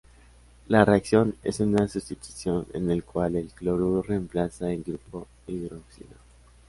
La reacción es una sustitución en el cual el cloruro reemplaza el grupo hidroxilo.